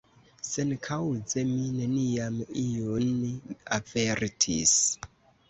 Senkaŭze mi neniam iun avertis.